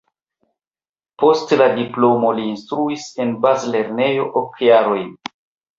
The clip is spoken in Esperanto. Post la diplomo li instruis en bazlernejo ok jarojn.